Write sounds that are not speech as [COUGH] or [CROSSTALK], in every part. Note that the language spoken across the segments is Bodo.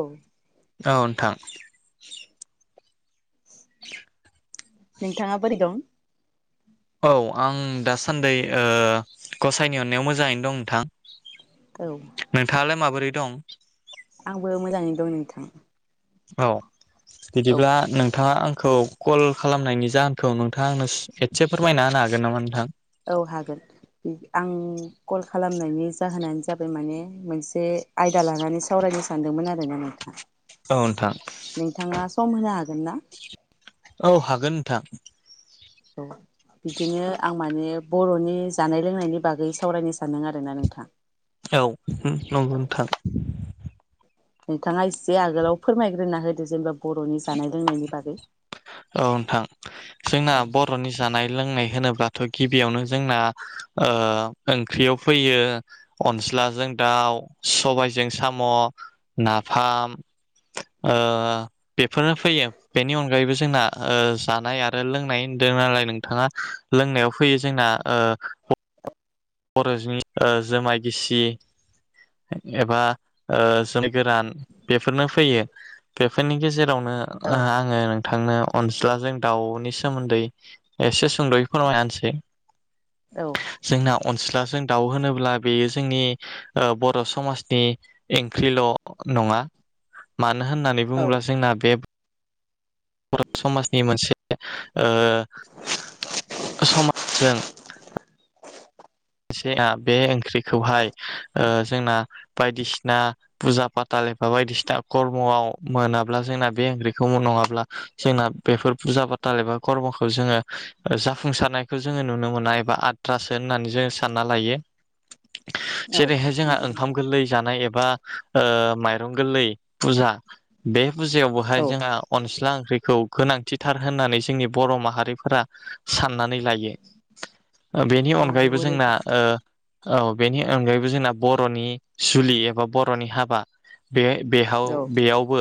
औ औ नोंथां नोंथाङा बोरै दं? औ आं दासान्दि ओ गसाइनि अननायाव मोजाङैनो दं नोंथां औ नोंथाङालाय माबोरै दं? आंबो मोजाङैनो दं नोंथां औ औ बिदिब्ला नों थाङा आंखौ कल खालामनायनि जाहोनखौ नोंथाङा आंनो एसे फोरमायना होनो हागोन नामा नोंथां औ हागोन आं कल खालामनायनि जाहोनानो जाबाय माने मोनसे आयदा लानानै सावरायनो सानदोंमोन आरो ना नोंथां। औ नोंथां नोंथाङा सम होनो हागो हागोनना औ हागोन नोंथां औ बिदिनो आं माने बर'नि जानाय लोंनायनि बागै सावरायनो सानदों आरोना नोंथां औ नंगौ औ नोंथां नोंथाङा एसे आगोलाव फोरमायग्रोना होदो जेनेब्ला बर'नि जानाय लोंनायनि बागै औ नोंथां जोंना औ बर'नि जानाय लोंनाय होनोब्ला थ' गिबियावनो जोंना ओ ओंख्रियाव फैयो अनलाजों दाउ सबायजों साम' नाफाम ओ बेफोरनो फैयो बेनि अनगायैबो जे जोंना ओ जानाय आरो लोंनाय होनदों नालाय नोंथाङा लोंनायाव फैयो जोंना ओ बर'नि जुमाय गिसि एबा जौ गोरान बेफोरनो फैयो बेफोरनि गेजेरावनो औ आङो नोंथांनो अनज्लाजों दाउनि सोमोन्दै एसे सुंद'यै फोरमायना होनोसै औ अनला जों दाव होनोब्ला बेयो जोंनि बर' समाजनि ओंख्रिल' नङा मा मानो होननानै औ बुङोब्ला जोंना बे बर' समाजनि मोनसे ओ समाजजों बे ओंख्रिखौहाय जोंना बायदिसिना फुजा फाथाल एबा बायदिसिना खर्म'आव मोनाब्ला जोंना बे ओंख्रिखौ नङाब्ला जोंना बेफोर फुजा फाथाल एबा खर्म'खौ जोङो जाफुंसारनायखौ जोङो नुनो मोना एबा आद्रासो होननानै जोङो सानो सानना लायो औ जेरैहाय जोंहा नंगौ ओंखाम नोंथां गोरलै जानाय एबा ओ माइरं गोरलै फुजा बे फुजायाव बहाय औ जोंहा अनस्ला ओंख्रिखौ गोनांथिथार होननानै जोंनि बर' माहारिफोरा साननानै लायो बेनि औ अनगायैबो नंगौ जोंना नोंथां ओ औ बेनि अनगायैबो जोंना बर'नि सुलि एबा बर'नि हाबा बे बेहाव औ बेयावबो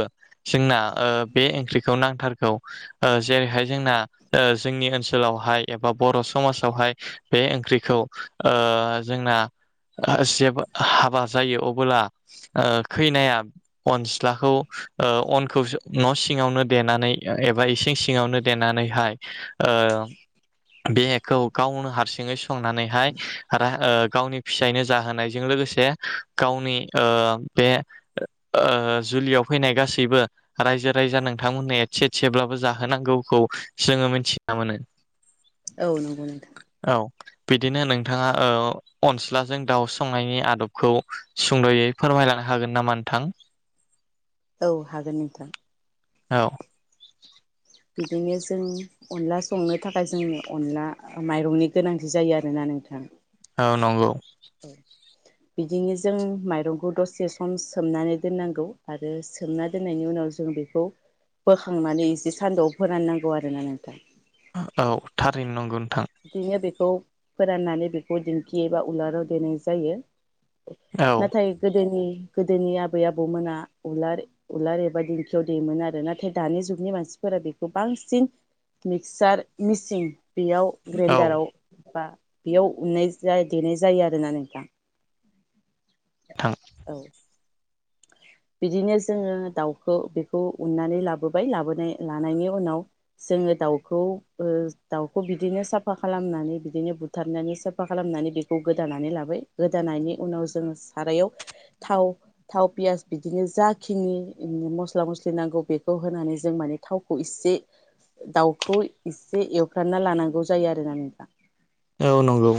जोंना ओ बे ओंख्रिखौ नांथारगौ ओ जेरैहाय जोंना ओ जोंनि ओनसोलावहाय एबा बर' समाजावहाय बे ओंख्रिखौ ओ जोंना जेबो हाबा जायो अबोला खैनाया अनस्लाखौ अनखौ न' सिङावनो देनानै एबा इसिं सिङावनो देनानैहाय बेखौ गावनो हारसिङै संनानै हाय गावनि फिसायनो जाहोनायजों लोगोसे गावनि ओ बे ओ जुलियाव फैनाय गासैबो रायजो राइजा नोंथांमोननो एसे एसेब्लाबो जाहोनांगौखौ जोङो मिथिना मोनो औ नंगौ नोंथां औ बिदिनो नोंथाङा ओ अनस्लाजों दाउ संनायनि आदबखौ सुंद'यै फोरमायलांनो हागोन नामा नोंथां औ हागोन नोंथां औ बिदिनो जों अनला संनो थाखाय जों अनला माइरंनि गोनांथि जायो आरोना नोंथां औ नंगौ बिदिनो जों माइरंखौ दसे सम सोमनानै दोननांगौ आरो सोमना दोननायनि उनाव जों बेखौ बोखांनानै एसे सान्दुंआव फोराननांगौ आरोना नोंथां औ थारैनो नंगोन बिदिनो बेखौ फोराननानै बेखौ दिंखियाव एबा उलाराव देनाय जायो। औ नाथाय गोदोनि गोदोनि आबै आबौमोना उलार उलार एबा दिंखियाव देयोमोन आरो। नाथाय दानि जुगनि मानसिफोरा बेखौ बांसिन मिक्सार मिसिन बेयाव औ ग्रेन्डाराव नोंथां बा बेयाव उननाय, देनाय जायो आरोना नोंथां। नोंथां। औ बिदिनो जोङो दाउखौ लाबोबाय, उनाव जोङो दाउखौ बिदिनो साफा खालामनानै बिदिनो बुथारनानै साफा खालामनानै बेखौ गोदानानै लाबाय, गोदानायनि उनाव जोङो सारायाव थाव थाव पियास बिदिनो जाखिनि मस्ला मस्लि नांगौ बेखौ होनानै जों माने थावखौ इसे दाउखौ एसे एवफ्रानना लानांगौ जायो आरो ना नोंथां। औ नंगौ।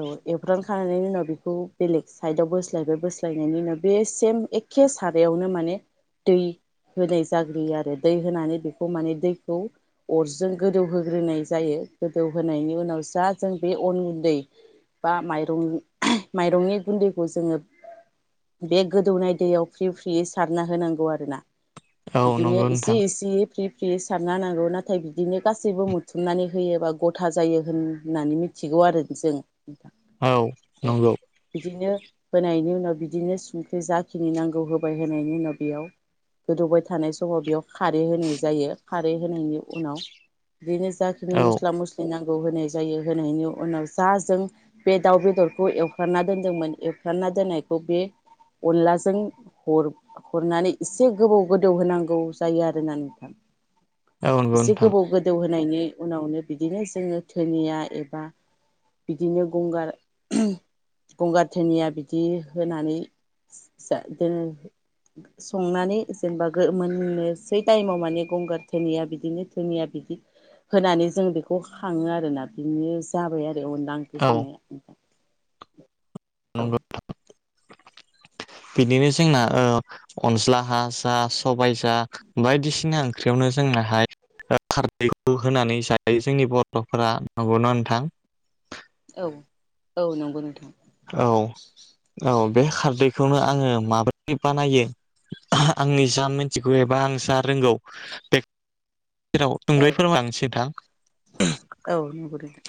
औ एवफ्रांखांनायनि उनाव बेखौ बेलेग साइदआव बोस्लायबाय बोस्लायनायनि उनाव बे सेम एखे सारायावनो माने दै होनाय जाग्रोयो आरो। दै होनानै बेखौ माने दैखौ अरजों गोदौहोग्रोनाय जायो गोदौहोनायनि उनाव जा जों बे अन गुन्दै बा माइरं माइरंनि गुन्दैखौ जोङो बे गोदौनाय दैयाव फ्रि फ्रियै सारना होनांगौ आरोना। औ बिदिनो नंगौ एसे नोंथां इसे फ्रि फ्रि सारना नांगौ नाथाय बिदिनो गासैबो बुथुमनानै होयोबा गथा जायो होननानै मिथिगौ आरो जों। नोंथां औ औ नंगौ बिदिनो होनायनि उनाव बिदिनो संख्रि जाखिनि नांगौ होबाय होनायनि उनाव बेयाव गोदौबाय थानाय समाव बेयाव खारै होनाय जायो। खारै होनायनि उनाव बेनो जाखिनि औ मस्ला-मस्लि नांगौ होनाय जायो। होनायनि उनाव जा जों बे दाउ बेदरखौ एवफ्रानना दोनदोंमोन एवफ्रानना दोननायखौ बे अनलाजों हर, हरनानै एसे गोबाव गोदौ होनांगौ जायो आरोना नोंथां। नंगौ एसे नोंथां गोबाव गोदौ होनायनि उनावनो बिदिनो जोङो धोनिया एबा बिदिनो गंगार, गंगार धोनिया बिदि होनानै संनानै जेनेबा मोननोसै टाइमाव माने गंगार धोनिया बिदिनो धोनिया बिदि होनानै जों बेखौ खााङो आरोना बिदिनो जाबाय आरो अनला ओंख्रि औ संनाया नोंथां। [INAUDIBLE] औ। नंगौ बिदिनो जोंना ओ अनज्ला जा सबाय जा बायदिसिना ओंख्रियावनो जोंनोहाय ओ खारदैखौ होनानै जायो जोंनि बर'फोरा नंगौना नोंथां? औ-औ नंगौ नोंथां। औ -औ। बे खारदैखौनो आङो माबोरै बानायो, आं जा मिन्थिगौ एबा आं जा रोंगौ बे औ सुंदयै फोरमायलांनोसै नोंथां। नंगौ नोंथां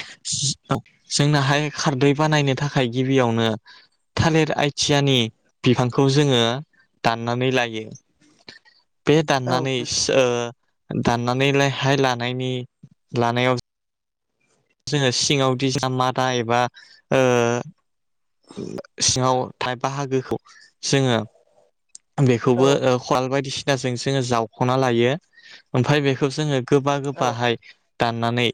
जोंना हाय खारदै बानायनो थाखाय गि बियावनो थालिर आइथियानि बिफांखौ जोङो दाननानै लायो। बे औ नंगौ दाननानैसो ओ दाननानैलाय हाय लानायनि लानायाव जोङो सिङाव दि [UNINTELLIGIBLE] मादा एबा सिङाव थाइ बाहागोखौ जोङो बेखौबो औ [UNINTELLIGIBLE] बायदिसिना गाजों जोङो जावख'ना लायो ओमफ्राय बेखौ जोङो गोबा औ औ गोबाहाय दाननानै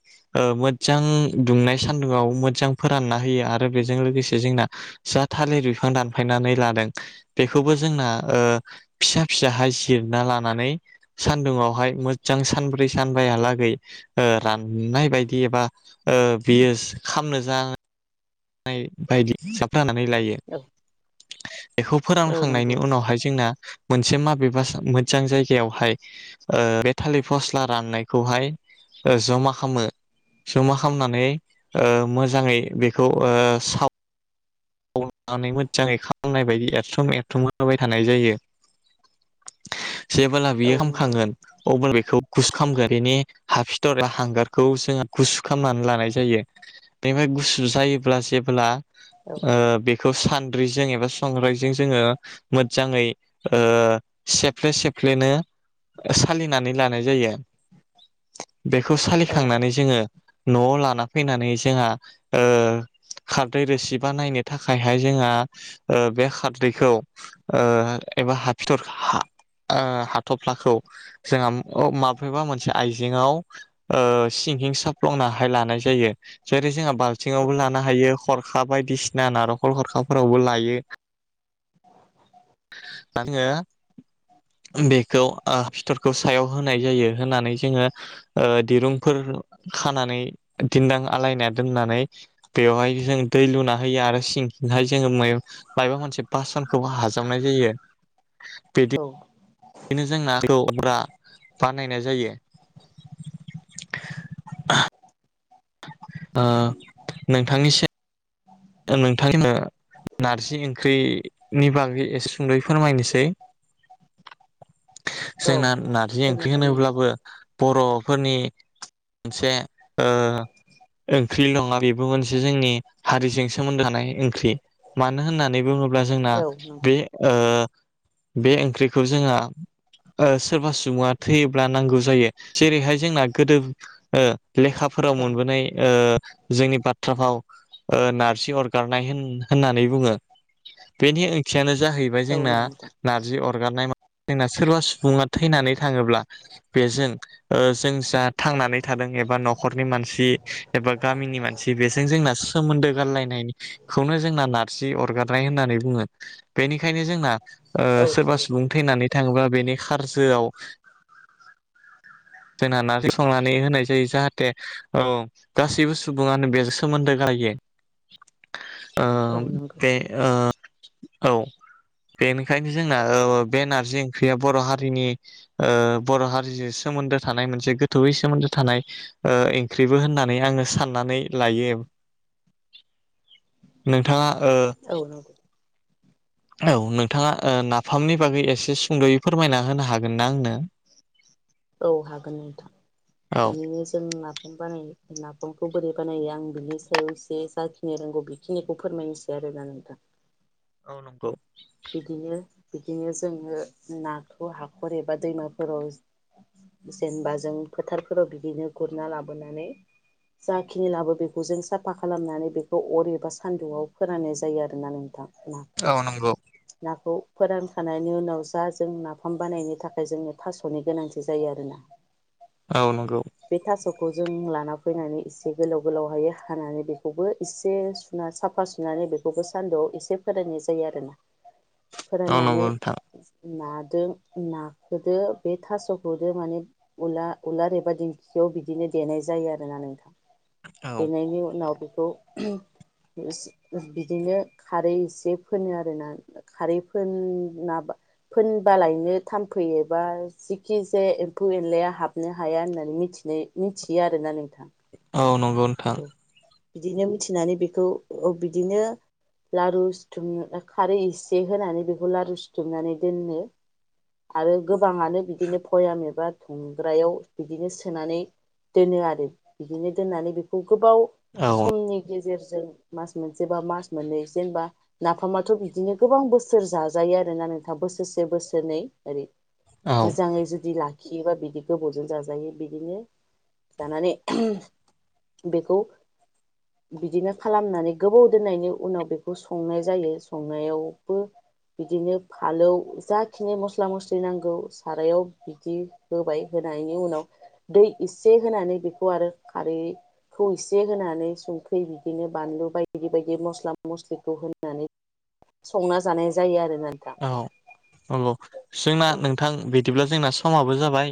मोजां ओ दुंनाय सान्दुंङआव मोजां फोरानना होयो आरो बेजों लोगोसे जोंना जा थालिर बिफां दानफायनानै लादों बेखौबो जोंना ओ फिसा फिसाहाय जिरना लानानै सानदुङावहाय मोजां सानब्रै सानबयालागै ओ राननाय बायदि एबा ओस बियो खामनो जा बाय बायदि [UNINTELLIGIBLE] लायो बेखौ औ फोरानखांनायनि नंगौ उनावहाय जोंना मोनसे माबेबास मोजां जायगायावहाय ओ बे थालिर फस्ला राननायखौहाय जमा खामो जमा खामनानै ओ मोजाङै बे खौ ओ साव नानै मोजाङै खामनाय बायदि एरथुम एरथुम होबाय थानाय जायो जेबोला बियो औ नंगौ खामखांगोन अब्ला बेखौ गुसखामगोन बेनि हाफिथ'र [UNINTELLIGIBLE] हांगारखौ जोङो गुसु खामनानै लानाय जायो बेनिफाय गुस [UNINTELLIGIBLE] जायोब्ला जेबोला औ ओ बे खौ सान्द्रिजों एबा संग्रायजों जोङो मोजाङै ओ सेफ्ले सेफ्लेनो सालिनानै लानाय जायो बेखौ औ सालिखांनानै जोङो न'आव लाना फैनानै जोंहा ओ खारदै रोसि बानायनो थाखायाहाय जोङा ओ बे खारदैखौ ओ एबा हाफिथ'र हा ओ हाथ'फ्लाखौ जोंङा अ माबेबा मोनसे आइजेंआव ओ सिंहिं साफ्लंना हाय लानाय जायो जेरै जोङा बालथिंआवबो लानो हायो खर खा बाय दिसिना नारेखल खरखाफोरावबो लायो। दा दोनों बेखौ ओ फिथरखौ सायाव होनाय जायो। होनानै जोंङो दिरुंफोर खानानै दिन्दां आलायना दोननानै बेवहाय जों दै लुनानै ओहायो आरो सिंखिंहाय जोंङो मायाव मायबा मोनसे बास सानखौ हाजावनाय जायो बिदि औ बिदिनो जों नाखौ हमब्रा बानायनाय जायो। ओ नोंथांनिसि नोंथांनो नारजि ओंख्रिनि बागै एसे सुंद'यै फोरमायनोसै जोंना नारजि ओंख्रि फोरमायजागोन होनोब्लाबो नोंथां बर'फोरनि मोनसे ओ ओंख्रि नङा बेबो मोनसे जोंनि हारिजों सोमोन्दो थानाय ओंख्रि मानो होननानै बुङोब्ला जोंना औ नंगौ बे ओ बे ओंख्रिखौ जोंहा ओ सोरबा सुबुङा थैयोब्ला नांगौ जायो। जेरैहाय जोंना गोदो ओ लेखाफोराव मोनबोनाय ओ जोंनि बाथ्रा [UNINTELLIGIBLE] ओ नारजि [UNINTELLIGIBLE] होन होननानै बुङो। बेनि ओंथियानो जाहैबाय औ नंगौ औ जोंना नंगौ नोंथां नारजि अरगारनाय म जोंना सोरबा सुबुङा थैनानै थाङोब्ला बेजों जों जा थांनानै थादों एबा न'खरनि मानसि एबा गामिनि मानसि बेजों जोंना सोमोन्दो गारलायनाय बेखौनो जोंना नारजि अरगारनाय होननानै बुङो। बेनिखायनो जोंना ओ औ सोरबा नंगौ नोंथां सुबुं थैनानै जेनेबा बेनि खारजोआव जोंहा नारजि संनानै होनाय जायो। जाहाथे औ गासैबो सुबुङानो बेजों सोमोन्दो गारायो। [INAUDIBLE] ओ औ नंगौ बे ओ औ बेनिखायनो जोंना औ औ बे नारजि ओंख्रिया बर' हारिनि ओ बर' हारिजों सोमोन्दो थानाय मोनसे गोथौयै सोमोन्दो थानाय ओंख्रिबो होननानै आङो साननानै लायो। नोंथाङा ओ औ नंगौ औ नोंथाङा नाफामनि बागै एसे फोरमायना होनो हागोन ना आंनो औ हागोन नोंथां औ बिनिनो जों नाफाम बानाय नाफामखौ बोरै बानायो आं बिनि सायाव एसे जाखिनि रोंगौ बेखिनिखौ फोरमायनोसै आरोना नोंथां। औ बिदिनो बिदिनो जोंङो नाखौ हाखर एबा दैमाफोराव जेनेबा जों फोथारफोराव बिदिनो गुरना लाबोनानै जाखिनि लाबो बेखौ जों साफा खालामनानै बेखौ अर एबा सान्दुंआव फोराननाय जायो आरोना नोंथां। अ नाखौ नांगौ नाखौ फोरानखांनायनि उनाव जा जों नाफाम बानायनि थाखाय जोंनो थास'नि गोनांथि जायो आरोना। औ नंगौ बे खौ जों लाना फैनानै एसे गोलाव गोलावहाय हानानै बेखौबो एसे सुना साफा सुनानै बेखौबो सान्दुंआव एसे फोरायनाय जायो आरो ना। औ फोराननानै नंगौ नोंथां नादों नाखदो बे थास'खौदो माने उला उलार एबा दिंखियाव बिदिनो देनाय जायो आरोना नोंथां। औ देरनायनि उनाव [UNINTELLIGIBLE] खौ [UNINTELLIGIBLE] बिदिनो खारै एसे फोनो आरोना। खारै फोनना फोनबालायनो थामफै एबा जिखिजाया एम्फौ एनलाया हाबनो हाया होननानै मिथिनो मिथियो आरोना नोंथां। औ नं औ नोंथां। बिदिनो मिथिनानै बेखौ बिदिनो लारु सिुथुमनो खारै एसे होनानै बेखौ लारु सिुथुमनानै दोनो आरो गोबाङानो बिदिनो पयाम एबा थुंग्रायाव बिदिनो सोनानै दोनो आरो बिदिनो दोननानै गोबाव औ समनि गेजेरजों जों मास मोनसेबा मास मोननै जेनेबा नाफामाथ' बिदिनो गोबां बोसोर जाजायो आरोना नोंथां बोसोरसे बोसोरनै ओरै औ मोजांयै जुदि ला खियोबा बिदि गोबावजों जाजायो बिदिनो जानानै बेखौ बिदिनो खालामनानै गोबाव दोननायनि उनाव बेखौ संनाय जायो संनायावबो बिदिनो फालौ जाखिनि मस्ला मस्लि नांगौ सारायाव बिदि होबाय होनायनि उनाव दै इसे होनानै बेखौ आरो खारै खौ एसे होनानै संख्रि बिदिनो बानलु बायदि बायदि मस्ला मस्लिखौ होनानै संना जानाय जायो आरो। औ नंगौ। जोंना औ नोंथां बि बिदिब्ला जोंना समाबो जाबाय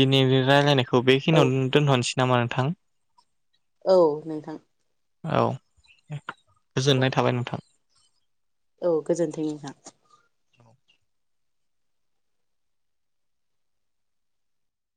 दिनैनि रायलायनाय खौ बेखिनियावनो दोनथ'नोसै नामा नोंथां? औ नोंथां। औ। औ गोजोननाय थाबाय नोंथां। औ गोजोन्थों नोंथां। औ